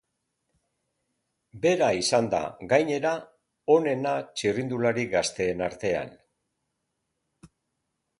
Bera izan da, gainera, onena txirrindulari gazteen artean.